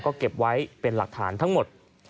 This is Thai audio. ก็เก็บไว้เป็นหลักฐานทั้งหมด